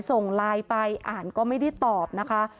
ส่งไลน์ไปอ่านก็ไม่ได้ตอบนะคะ